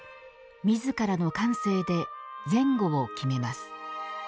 みずからの感性で前後を決めます。